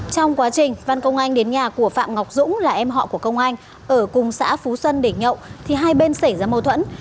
trong quá trình văn công anh đến nhà của phạm ngọc dũng là em họ của công anh ở cùng xã phú xuân để nhậu thì hai bên xảy ra mâu thuẫn